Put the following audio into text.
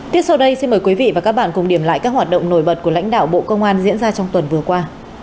tiếp sau đây xin mời quý vị và các bạn cùng điểm lại các hoạt động nổi bật của lãnh đạo bộ công an diễn ra trong tuần vừa qua